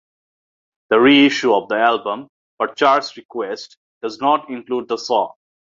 The reissue of that album, per Cher's request, does not include the song.